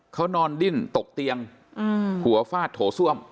อ๋อเขานอนดิ้นตกเตียงหัวฟาดโถ้าซ่วม